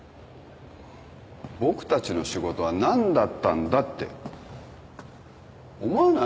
僕たちの仕事は何だったんだって思わない？